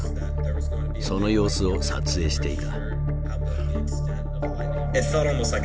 その様子を撮影していた。